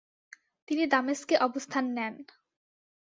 তিনি দামেস্কে অবস্থান নেন।